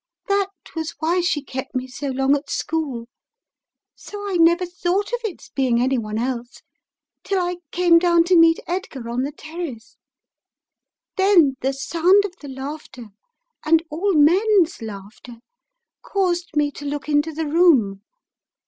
That was why she kept me so long at school. So I never thought of its being any one else tillsl came down to meet Edgar — on the terrace. Then the sound ot the laughter, and all men's laughter, caused me to look into the room.